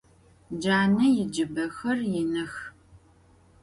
Cane yicıbexer yinıx.